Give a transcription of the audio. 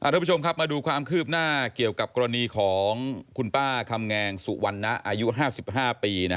ทุกผู้ชมครับมาดูความคืบหน้าเกี่ยวกับกรณีของคุณป้าคำแงงสุวรรณะอายุ๕๕ปี